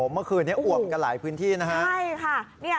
เมื่อคืนนี้อวมกันหลายพื้นที่นะฮะใช่ค่ะ